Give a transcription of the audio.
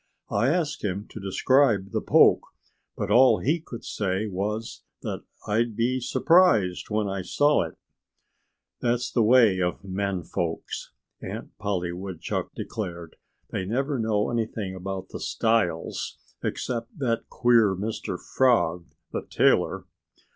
I asked him to describe the poke. But all he could say was that I'd be surprised when I saw it." "That's the way with men folks," Aunt Polly Woodchuck declared. "They never know anything about the styles except that queer Mr. Frog, the tailor."